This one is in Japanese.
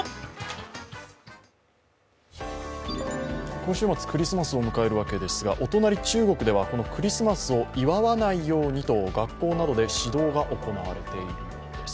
今週末、クリスマスを迎えるわけですが、お隣・中国ではこのクリスマスを祝わないようにと学校などで指導が行われているようです。